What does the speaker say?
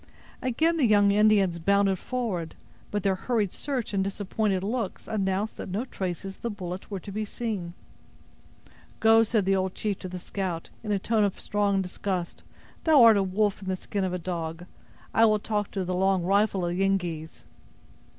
Again the young Indians bounded forward; but their hurried search and disappointed looks announced that no traces of the bullet were to be seen. "Go!" said the old chief to the scout, in a tone of strong disgust; "thou art a wolf in the skin of a dog. I will talk to the 'Long Rifle' of the Yengeese."